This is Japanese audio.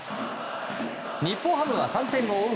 日本ハムは３点を追う